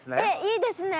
いいですね！